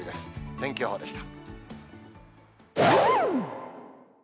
天気予報でした。